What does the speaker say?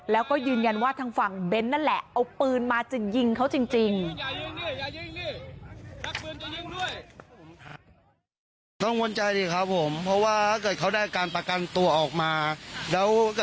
แล้วก็ยืนยันว่าทางฝั่งเบ้นนั่นแหละเอาปืนมาจะยิงเขาจริง